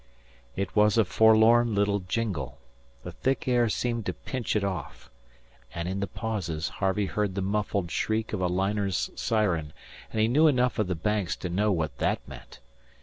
It was a forlorn little jingle; the thick air seemed to pinch it off, and in the pauses Harvey heard the muffled shriek of a liner's siren, and he knew enough of the Banks to know what that meant.